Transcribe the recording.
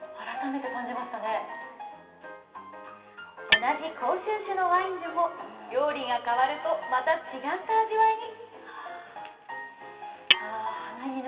同じ甲州種のワインでも料理が変わるとまた違った味わいに。